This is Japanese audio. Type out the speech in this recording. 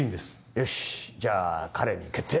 よしじゃあ彼に決定。